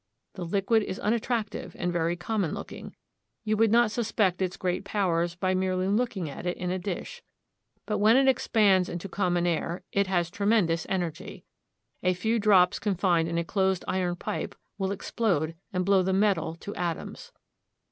The liquid is unattractive and very common looking. You would not suspect its great powers by merely looking at it in a dish. But when it expands into common air it has tremendous energy. A few drops confined in a closed iron pipe will explode and blow the metal to atoms.